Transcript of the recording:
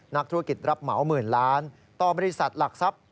นักธุรกิจรับเหมาหมื่นล้านต่อบริษัทหลักทรัพย์